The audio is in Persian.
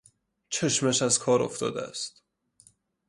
چشمش از کار افتاده است